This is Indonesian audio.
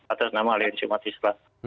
atas nama aliansi umat islam